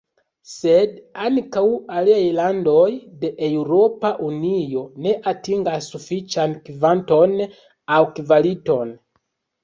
Sed ankaŭ aliaj landoj de Eŭropa Unio ne atingas sufiĉan kvanton aŭ kvaliton.